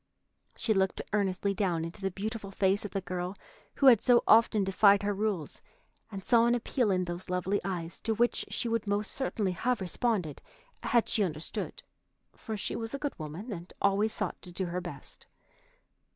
She looked earnestly down into the beautiful face of the girl who had so often defied her rules, and saw an appeal in those lovely eyes to which she would most certainly have responded had she understood, for she was a good woman and always sought to do her best.